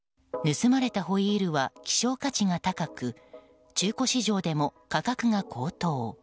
盗まれたホイールは希少価値が高く中古市場でも価格が高騰。